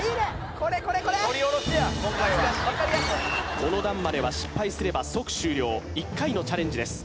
これこれこれこの段までは失敗すれば即終了１回のチャレンジです